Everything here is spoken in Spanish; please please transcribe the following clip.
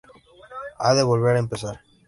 Ha de volver a empezar.